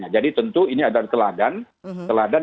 jadi tentu ini adalah teladan